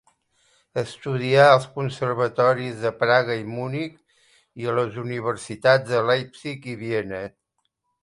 Estudià als Conservatoris de Praga i Munic i a les universitats de Leipzig i Viena.